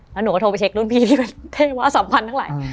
และหนูก็โทรไปเช็คนู้นพีที่มาเทวาสำคัญทั้งหลาย